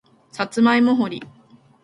さつまいも掘り